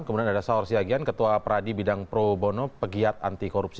kemudian ada saur siagian ketua pradi bidang pro bono pegiat anti korupsi